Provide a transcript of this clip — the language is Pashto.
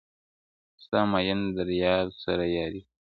ستا مين درياب سره ياري کوي.